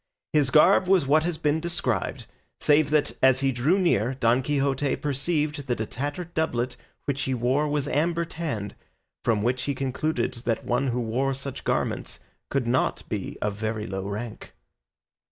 His garb was what has been described, save that as he drew near, Don Quixote perceived that a tattered doublet which he wore was amber tanned, from which he concluded that one who wore such garments could not be of very low rank.